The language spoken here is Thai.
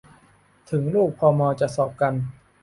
ถึงลูกพอมอจะสอบกัน